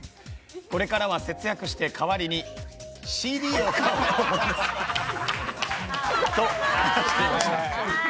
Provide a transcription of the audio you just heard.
これからは節約してかわりにＣＤを買おうと思いますと話していました。